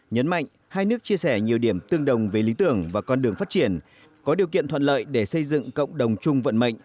nhấn mạnh hai nước chia sẻ nhiều điểm tương đồng về lý tưởng và con đường phát triển có điều kiện thuận lợi để xây dựng cộng đồng chung vận mệnh